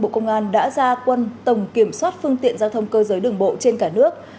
bộ công an đã ra quân tổng kiểm soát phương tiện giao thông cơ giới đường bộ trên cả nước